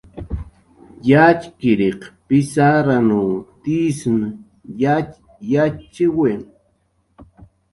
Yatxchiriq pizarranw tizn yatx yatxchiwi